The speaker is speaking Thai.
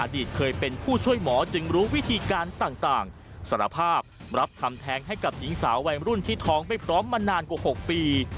ตเคยเป็นผู้ช่วยหมอจึงรู้วิธีการต่างสารภาพรับทำแท้งให้กับหญิงสาววัยรุ่นที่ท้องไม่พร้อมมานานกว่า๖ปี